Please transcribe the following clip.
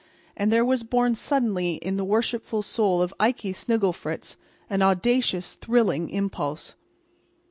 And there was born suddenly in the worshipful soul of Ikey Snigglefritz an audacious, thrilling impulse.